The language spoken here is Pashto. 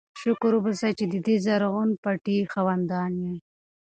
شکر وباسئ چې د دې زرغون پټي خاوندان یئ.